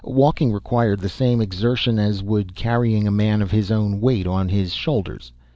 Walking required the same exertion as would carrying a man of his own weight on his shoulders.